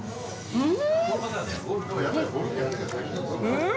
うん。